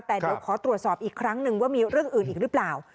แต่เดี๋ยวขอตรวจสอบอีกครั้งหนึ่งว่ามีเรื่องอื่นอีกหรือเปล่า